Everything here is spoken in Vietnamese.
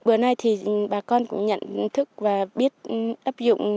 vừa nay thì bà con cũng nhận thức và biết áp dụng